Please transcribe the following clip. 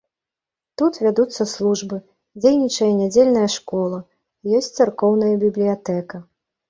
Тут вядуцца службы, дзейнічае нядзельная школа, ёсць царкоўная бібліятэка.